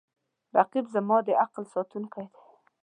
رقیب زما د عقل ساتونکی دی